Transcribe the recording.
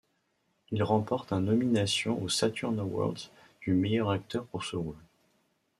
Il remporte un nomination au Saturn Award du meilleur acteur pour ce rôle.